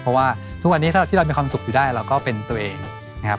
เพราะว่าทุกวันนี้ถ้าที่เรามีความสุขอยู่ได้เราก็เป็นตัวเองนะครับ